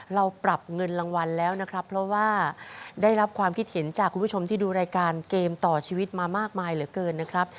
เราปรับเงินรางวัลแล้วนะครับเพราะว่าได้รับความคิดเห็นจากคุณผู้ชมที่ดูรายการเกมต่อชีวิตมามากมายเหลือเกินนะครับ